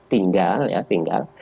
tinggal ya tinggal